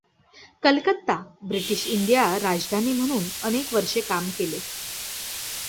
Calcutta British India राजधानी म्हणून अनेक वर्षे काम केले.